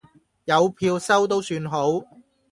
有票收都算好